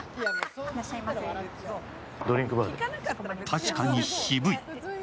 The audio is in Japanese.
確かに渋い！